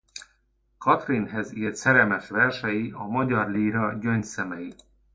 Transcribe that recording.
Katrin-hez írt szerelmes versei a magyar líra gyöngyszemei.